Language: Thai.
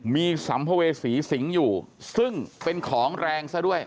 มีสัมภเวษีสิงห์อยู่ซึ่งเป็นของแรงซะด้วย